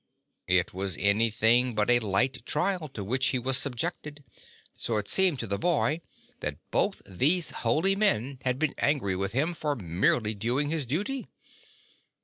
It was anything but a light trial to which he was subjected, for it seemed to the 89 boy that both these holy men had been angry with him for merely doing his duty.